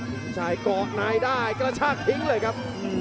สมชายเกาะนายได้กระชากทิ้งเลยครับ